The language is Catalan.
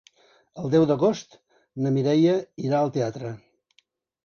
El deu d'agost na Mireia irà al teatre.